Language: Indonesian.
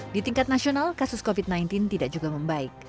di tingkat nasional kasus covid sembilan belas tidak juga membaik